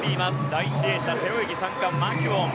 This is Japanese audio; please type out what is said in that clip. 第１泳者、背泳ぎ３冠マキュオン。